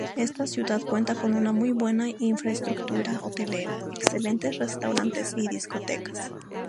Esta ciudad cuenta con una muy buena infraestructura hotelera, excelentes restaurantes y discotecas.